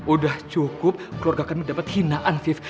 udah cukup keluarga kami dapet hinaan vief